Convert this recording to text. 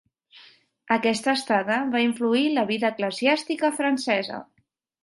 Aquesta estada va influir la vida eclesiàstica francesa.